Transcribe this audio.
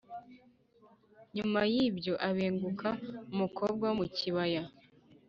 Nyuma y’ibyo abenguka umukobwa wo mu kibaya